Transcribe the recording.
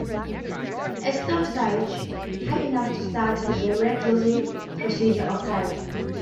A storm surge, high enough to start the barrier's closing procedure, occurred.